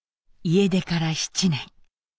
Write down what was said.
家出から７年。